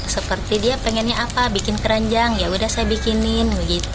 seperti dia pengennya apa bikin keranjang yaudah saya bikinin